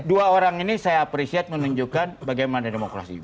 dua orang ini saya appreciate menunjukkan bagaimana demokrasi